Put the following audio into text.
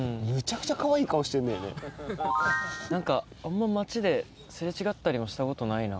何かあんま街で擦れ違ったりもしたことないな。